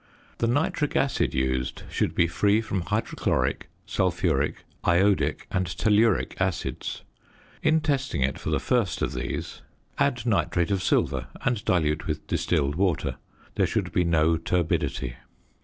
The nitric acid used should be free from hydrochloric, sulphuric, iodic and telluric acids. In testing it for the first of these add nitrate of silver and dilute with distilled water; there should be no turbidity.